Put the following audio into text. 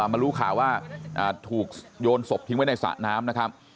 มารู้ข่าวว่าถูกโยนศพทิ้งไว้ในสระน้ำนะครับ